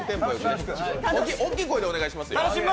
大きい声でお願いしますよ。